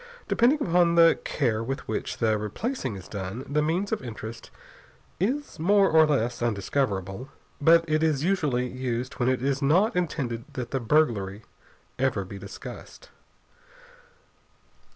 Depending upon the care with which the replacing is done, the means of entrance is more or less undiscoverable. But it is usually used when it is not intended that the burglary ever be discussed.